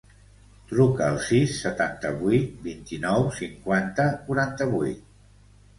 Truca al sis, setanta-vuit, vint-i-nou, cinquanta, quaranta-vuit.